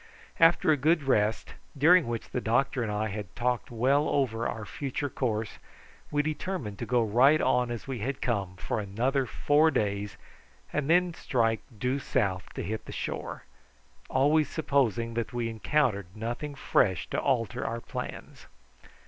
After a good rest, during which the doctor and I had talked well over our future course, we determined to go right on as we had come for another four days and then to strike due south to hit the shore, always supposing that we encountered nothing fresh to alter our plans.